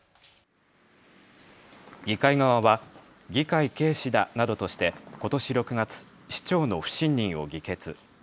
議会側は議会軽視だなどとしてことし６月、市長の不信任を議決。